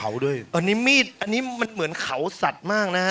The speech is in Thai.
อันนี้มีดเหมือนเขาสัตว์มากนะครับ